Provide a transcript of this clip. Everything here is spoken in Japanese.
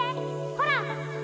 ほら！